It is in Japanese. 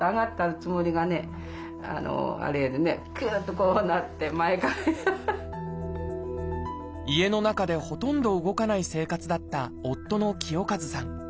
ここがすっと家の中でほとんど動かない生活だった夫の清和さん。